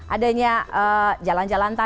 adanya jalan jalan